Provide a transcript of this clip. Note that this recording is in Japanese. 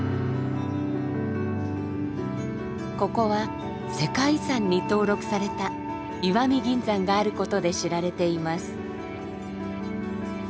ここは世界遺産に登録された石見銀山があることで知られています。